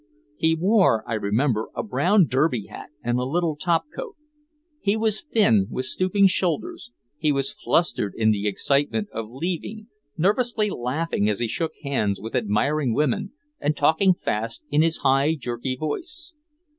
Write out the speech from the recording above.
He wore, I remember, a brown derby hat and a little top coat. He was thin, with stooping shoulders, he was flustered in the excitement of leaving, nervously laughing as he shook hands with admiring women and talking fast in his high jerky voice.